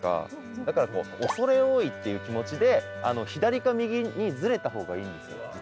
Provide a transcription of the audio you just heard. だからこう畏れ多いっていう気持ちで左か右にずれた方がいいんですよ実は。